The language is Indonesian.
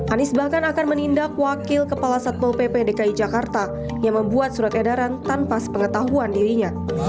anies bahkan akan menindak wakil kepala satpol pp dki jakarta yang membuat surat edaran tanpa sepengetahuan dirinya